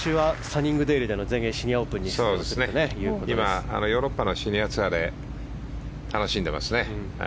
今はヨーロッパのシニアツアーで楽しんでいますね。